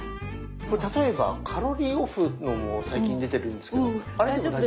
これ例えばカロリーオフのも最近出てるんですけどあれでも大丈夫？